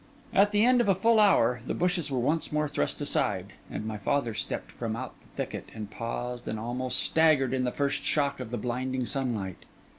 At the end of a full hour, the bushes were once more thrust aside; and my father stepped from out the thicket, and paused and almost staggered in the first shock of the blinding sunlight.